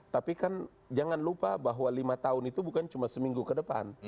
tapi kan jangan lupa bahwa lima tahun itu bukan cuma seminggu ke depan